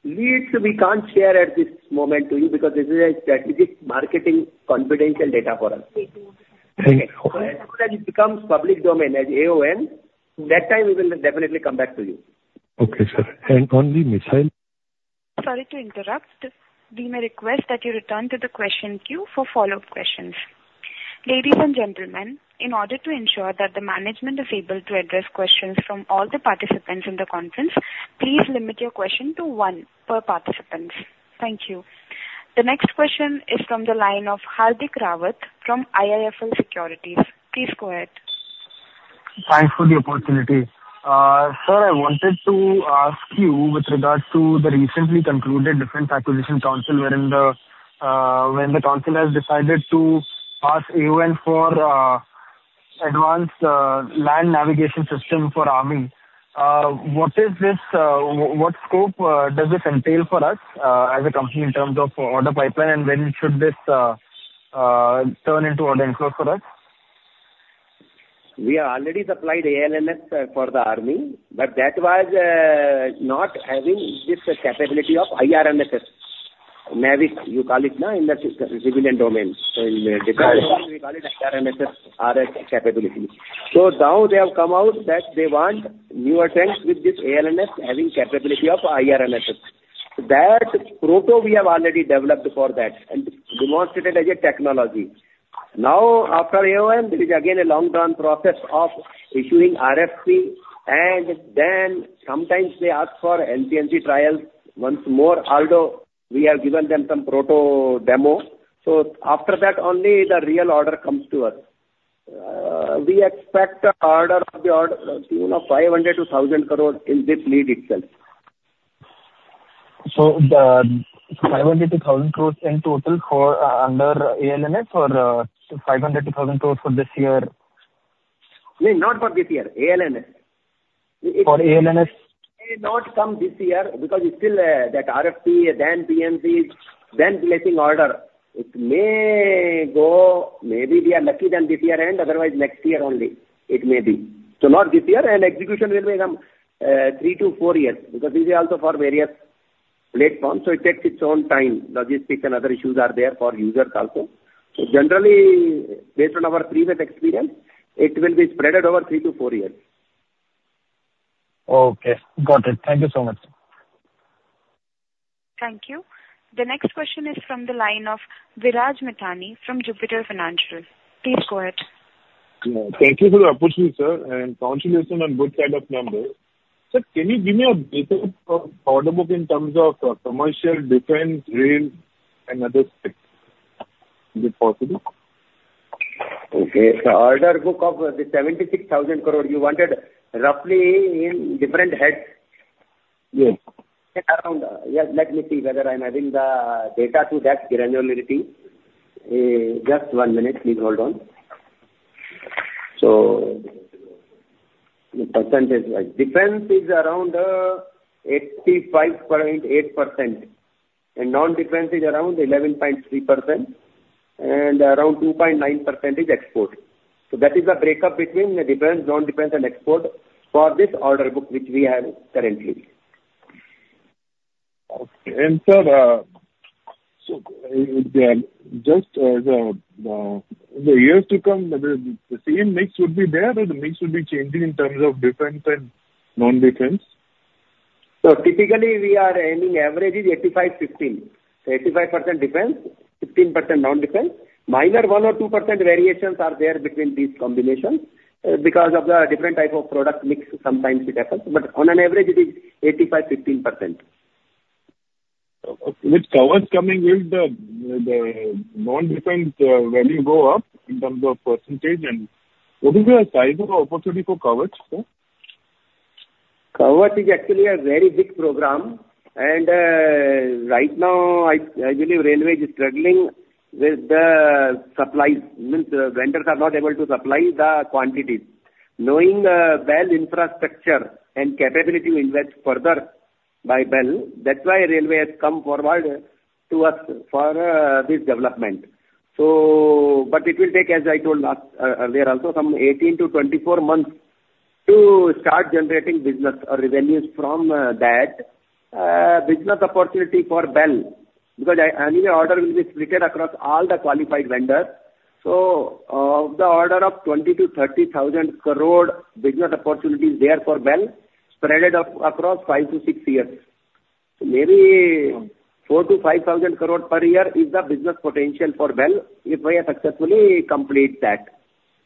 Leads we can't share at this moment to you, because this is a strategic marketing confidential data for us. Right. When it becomes public domain as AON, that time we will definitely come back to you. Okay, sir. And on the missile- Sorry to interrupt. We may request that you return to the question queue for follow-up questions. Ladies and gentlemen, in order to ensure that the management is able to address questions from all the participants in the conference, please limit your question to one per participants. Thank you. The next question is from the line of Hardik Rawat from IIFL Securities. Please go ahead. Thanks for the opportunity. Sir, I wanted to ask you with regards to the recently concluded Defense Acquisition Council, wherein the, when the council has decided to pass AON for, Advanced Land Navigation System for army. What is this, what scope, does this entail for us, as a company in terms of order pipeline, and when should this, turn into order inflow for us? We already supplied ALNS for the army, but that was not having this capability of IRNSS. NavIC, you call it now in the civilian domain. So in defense domain, we call it IRNSS, RF capability. So now they have come out that they want new attempt with this ALNS having capability of IRNSS. That proto we have already developed for that and demonstrated as a technology. Now, after AON, it is again a long-term process of issuing RFP, and then sometimes they ask for NCNC trials once more, although we have given them some proto demo. So after that only the real order comes to us. We expect the order of the order, you know, 500 crore-1,000 crore in this lead itself. The 500 crores - 1,000 crores in total for under ALNS or 500 crores - INR 1,000 for this year? No, not for this year, ALNS. For ALNS? may not come this year because it's still that RFP, then PNC, then placing order. It may go, maybe we are lucky then this year end, otherwise next year only it may be. So not this year, and execution will become three to four years, because these are also for various platforms, so it takes its own time. Logistics and other issues are there for users also. So generally, based on our previous experience, it will be spread over three to four years. Okay, got it. Thank you so much. Thank you. The next question is from the line of Viraj Mittani from Jupiter Financial. Please go ahead. Thank you for the opportunity, sir, and congratulations on good set of numbers. Sir, can you give me a better order book in terms of commercial, defense, rail and other segment? Is it possible? Okay, the order book of 76,000 crore, you wanted roughly in different heads? Yes. Around, yes, let me see whether I'm having the data to that granularity. Just one minute, please hold on. So the percentage-wise, defense is around 85.8%, and non-defense is around 11.3%, and around 2.9% is export. So that is the breakup between the defense, non-defense and export for this order book, which we have currently.... Okay, and sir, so, just as, in the years to come, the, the same mix would be there, but the mix will be changing in terms of defense and non-defense? So typically we are aiming average is 85%-15. So 85% defense, 15% non-defense. Minor 1% or 2% variations are there between these combinations, because of the different type of product mix, sometimes it happens, but on an average it is 85%-15%. Okay. With Kavach coming in, the non-defense value go up in terms of percentage? And what is the size of opportunity for Kavach, sir? Kavach is actually a very big program, and right now, I believe railway is struggling with the supply. I mean, the vendors are not able to supply the quantities. Knowing BEL infrastructure and capability will invest further by BEL, that's why railway has come forward to us for this development. So but it will take, as I told last, earlier also, some 18-24 months to start generating business or revenues from that business opportunity for BEL, because any order will be split across all the qualified vendors. So the order of 20,000-30,000 crore business opportunity is there for BEL, spread across five to six years. Maybe 4,000-5,000 crore per year is the business potential for BEL if we successfully complete that,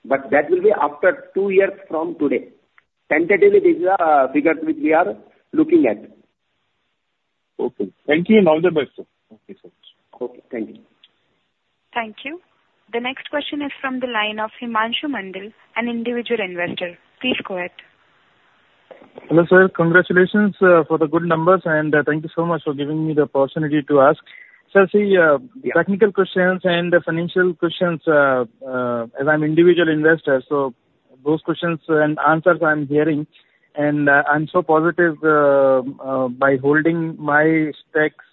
but that will be after two years from today. Tentatively, these are figures which we are looking at. Okay. Thank you, and all the best, sir. Okay, sir. Okay, thank you. Thank you. The next question is from the line of Himanshu Mandal, an individual investor. Please go ahead. Hello, sir. Congratulations for the good numbers, and thank you so much for giving me the opportunity to ask. Sir, see... Yeah. Technical questions and financial questions, as I'm individual investor, so those questions and answers I'm hearing, and, I'm so positive, by holding my stakes,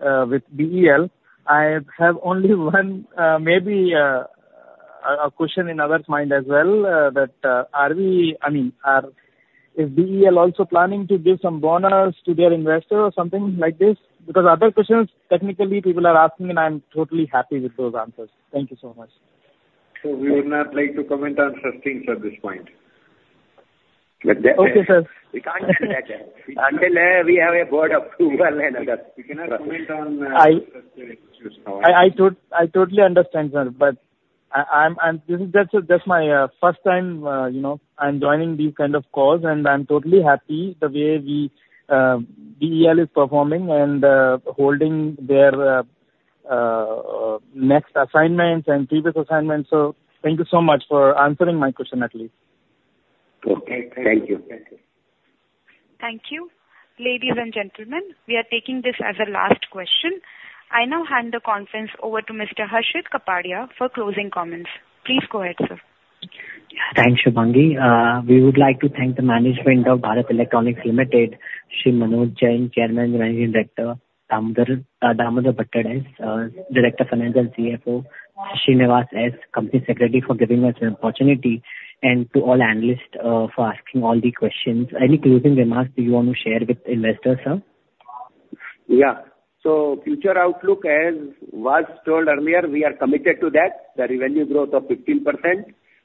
with BEL. I have only one, maybe, a question in others mind as well, that, are we, I mean, is BEL also planning to give some bonus to their investors or something like this? Because other questions, technically, people are asking, and I'm totally happy with those answers. Thank you so much. So we would not like to comment on such things at this point. But the- Okay, sir. We can't do that yet. Until we have a board approval and other- We cannot comment on. I- those issues now. I totally understand, sir, but that's my first time, you know, I'm joining these kind of calls, and I'm totally happy the way BEL is performing and holding their next assignments and previous assignments, so thank you so much for answering my question at least. Okay. Thank you. Thank you. Ladies and gentlemen, we are taking this as the last question. I now hand the conference over to Mr. Harshit Kapadia for closing comments. Please go ahead, sir. Thanks, Shubhangi. We would like to thank the management of Bharat Electronics Limited, Shri Manoj Jain, Chairman and Managing Director, Damodar, Damodar Bhattad, Director, Financial, CFO, S. Sreenivas., Company Secretary, for giving us the opportunity, and to all analysts, for asking all the questions. Any closing remarks that you want to share with investors, sir? Yeah. So future outlook, as was told earlier, we are committed to that. The revenue growth of 15%,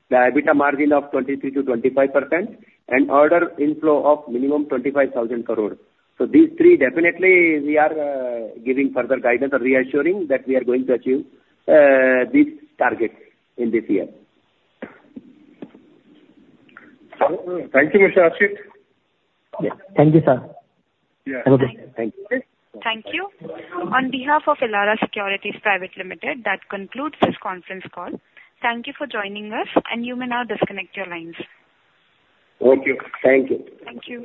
the EBITDA margin of 23%-25%, and order inflow of minimum 25,000 crore. So these three, definitely, we are giving further guidance or reassuring that we are going to achieve these targets in this year. Thank you, Mr. Harshit. Yeah. Thank you, sir. Yeah. Thank you. Thank you. On behalf of Elara Securities Private Limited, that concludes this conference call. Thank you for joining us, and you may now disconnect your lines. Thank you. Thank you. Thank you.